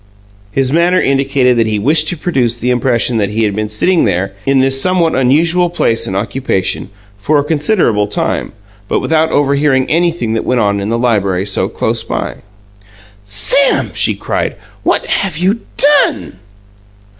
His manner indicated that he wished to produce the impression that he had been sitting there, in this somewhat unusual place and occupation, for a considerable time, but without overhearing anything that went on in the library so close by. "Sam," she cried, "what have you DONE?"